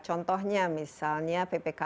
contohnya misalnya ppkm darurat diberlakukan